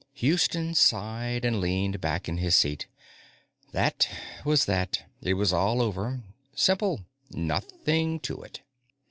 Houston sighed and leaned back in his seat. That was that. It was all over. Simple. Nothing to it.